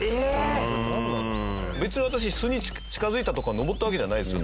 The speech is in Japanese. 別に私巣に近付いたとか登ったわけではないですよ。